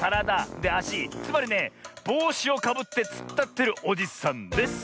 つまりねぼうしをかぶってつったってるおじさんです。